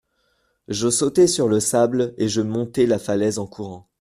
Je sautai sur le sable et je montai la falaise en courant.